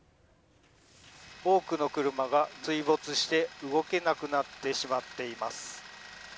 多くの車が水没して動けなくなってしまっています。